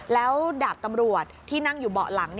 แล้วดาบตำรวจที่นั่งอยู่เบาะหลัง